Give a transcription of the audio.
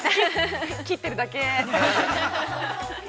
◆切っているだけ。